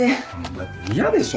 だって嫌でしょ？